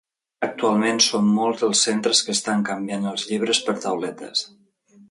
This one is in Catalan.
Actualment són molts els centres que estan canviant els llibres per tauletes.